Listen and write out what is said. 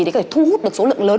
để thu hút được số lượng lớn